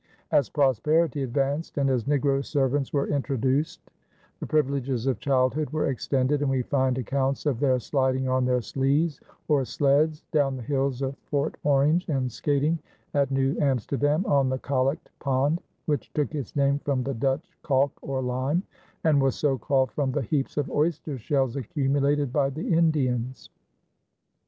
As prosperity advanced and as negro servants were introduced, the privileges of childhood were extended and we find accounts of their sliding on their slees or sleds down the hills of Fort Orange and skating at New Amsterdam on the Collect Pond, which took its name from the Dutch kalk, or lime, and was so called from the heaps of oyster shells accumulated by the Indians.